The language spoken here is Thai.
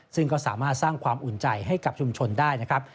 ซึ่งก็สามารถสร้างความอุ่นใจให้กับชุมชนได้นะครับ